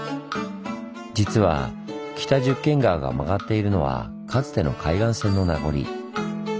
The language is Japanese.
実は北十間川が曲がっているのはかつての海岸線の名残。